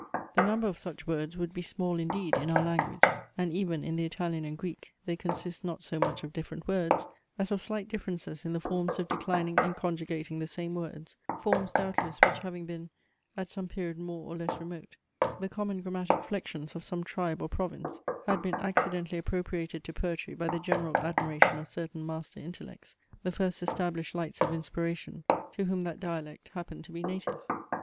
The number of such words would be small indeed, in our language; and even in the Italian and Greek, they consist not so much of different words, as of slight differences in the forms of declining and conjugating the same words; forms, doubtless, which having been, at some period more or less remote, the common grammatic flexions of some tribe or province, had been accidentally appropriated to poetry by the general admiration of certain master intellects, the first established lights of inspiration, to whom that dialect happened to be native.